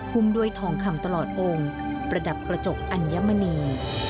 ด้วยทองคำตลอดองค์ประดับกระจกอัญมณี